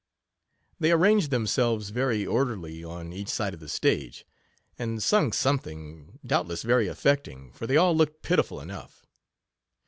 They ar ranged themselves very orderly on each side of the stage, and sung something, doubtless very affecting, for they all looked pitiful enough.